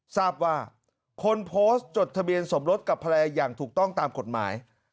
ทราบว่าคนโพสต์จดทะเบียนสมรสกับภรรยาอย่างถูกต้องตามกฎหมาย